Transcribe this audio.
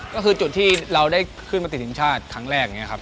ก็คือจุดที่เราได้ขึ้นมาติดสินชาติครั้งแรก